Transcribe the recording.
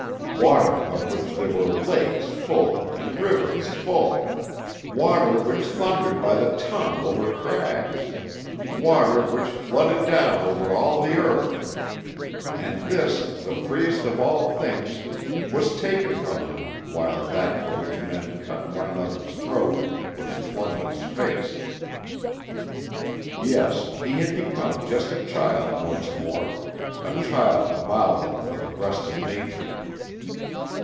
Water of which there were lakes full and rivers full; water which thundered by the ton over crags; water which flooded down over all the earth. And this, the freest of all things, was taken from him while that for which men cut one another's throats was flung in his face. Yes, he had become just a child once more, a child mouthing for the breast of Nature.